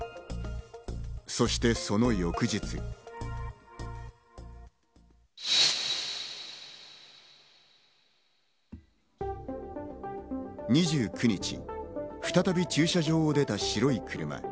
そして、その翌日。２９日、再び駐車場を出た白い車。